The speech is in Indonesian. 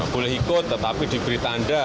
boleh ikut tetapi diberi tanda